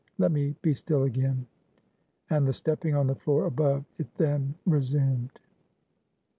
Let me be still again." And the stepping on the floor above, it then resumed.